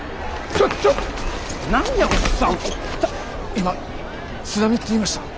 今津波って言いました？